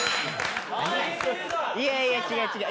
いやいや違う違う。